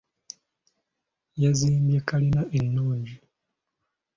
Yazimbye kkalina ennungi .